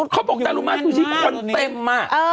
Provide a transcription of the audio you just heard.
เขาบอกดารุมาซูชิคนเต็มมาก